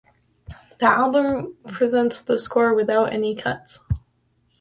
The album presents the score without any cuts.